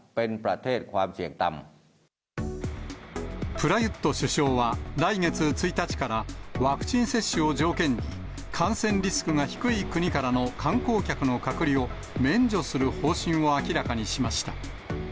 プラユット首相は、来月１日から、ワクチン接種を条件に、感染リスクが低い国からの観光客の隔離を免除する方針を明らかにしました。